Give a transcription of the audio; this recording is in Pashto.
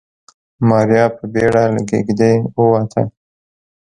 ماريا په بيړه له کېږدۍ ووته.